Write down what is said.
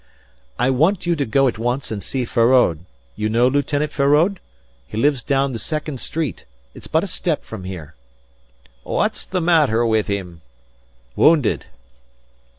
"I want you to go at once and see Feraud. You know Lieutenant Feraud? He lives down the second street. It's but a step from here." "What's the matter with him?" "Wounded."